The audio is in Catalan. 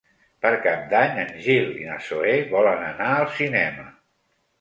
Per Cap d'Any en Gil i na Zoè volen anar al cinema.